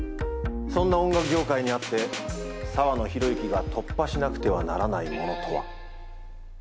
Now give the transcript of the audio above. そんな音楽業界にあって澤野弘之が突破しなくてはならないものとは？